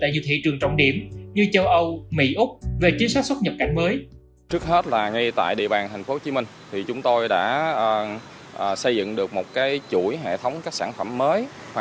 tại nhiều thị trường trọng điểm như châu âu mỹ úc về chính sách xuất nhập cảnh mới